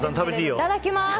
いただきます。